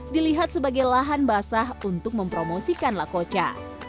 dilihat sebagai lahan basah untuk mempromosikan lakoca